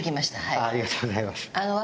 ありがとうございます。